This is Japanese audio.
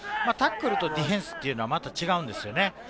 タックルとディフェンスっていうのはまた違うんですよね。